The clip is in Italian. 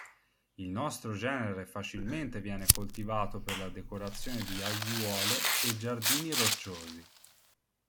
Il nostro genere facilmente viene coltivato per la decorazione di aiuole e giardini rocciosi.